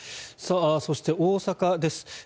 そして大阪です。